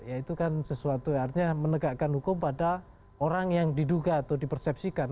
ya itu kan sesuatu artinya menegakkan hukum pada orang yang diduga atau dipersepsikan